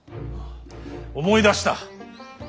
思い出した。